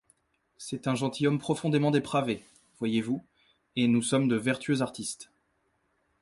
C’est un gentilhomme profondément dépravé, voyez-vous, et nous sommes de vertueux artistes.